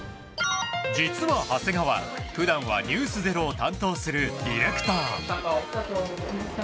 実は長谷川、普段は「ｎｅｗｓｚｅｒｏ」を担当するディレクター。